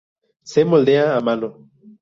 Se moldea a mano.